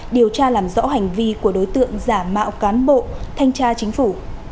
điều tra làm rõ hành vi của đối tượng giả mạo cán bộ thanh tra chính phủ